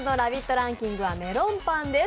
ランキングはメロンパンです。